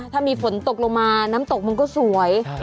ถ้ามีฝนตกลงมาน้ำตกมันก็สวย